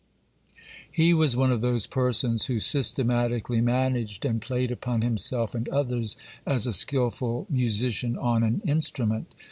He was one of those persons who systematically managed and played upon himself and others, as a skilful musician on an instrument.